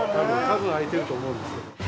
多分、開いてると思うんですけど。